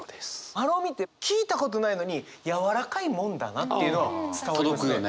まろみって聞いたことないのにやわらかいもんだなっていうのは伝わりますよね。